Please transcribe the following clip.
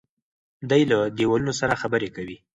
دی له دیوالونو سره خبرې کوي.